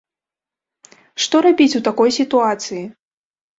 Што рабіць у такой сітуацыі?